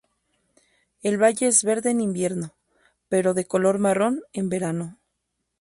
El valle es verde en invierno, pero de color marrón en verano.